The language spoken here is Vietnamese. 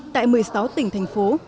tại một mươi sáu tỉnh thành phố